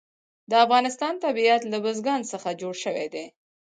د افغانستان طبیعت له بزګان څخه جوړ شوی دی.